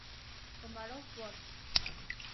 Komarov; Bot.